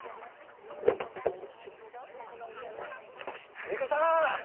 民子さん